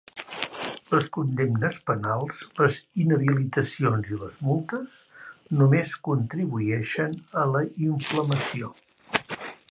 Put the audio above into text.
Les condemnes penals, les inhabilitacions i les multes només contribueixen a la inflamació.